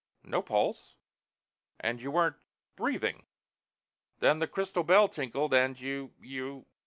"No pulse?" "And you weren't breathing. Then the crystal bell tinkled and you you...."